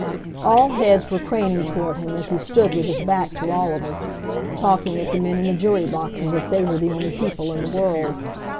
All heads were craning toward him as he stood with his back to all of us, talking at the men in the jury box as if they were the only people in the world.